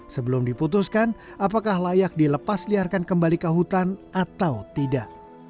sebelum diputuskan apakah layak dilepas liarkan kembali ke hutan atau tidak